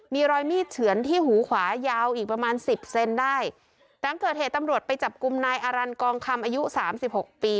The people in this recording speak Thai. มีรอยมีดเฉือนที่หูขวายาวอีกประมาณสิบเซนได้หลังเกิดเหตุตำรวจไปจับกลุ่มนายอารันกองคำอายุสามสิบหกปี